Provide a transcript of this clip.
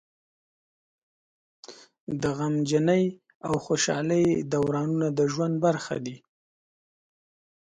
د غمجنۍ او خوشحالۍ دورانونه د ژوند برخه دي.